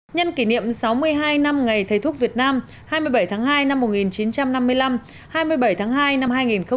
nhân kỷ niệm sáu mươi hai năm ngày thầy thuốc việt nam hai mươi bảy tháng hai năm một nghìn chín trăm năm mươi năm hai mươi bảy tháng hai năm hai nghìn hai mươi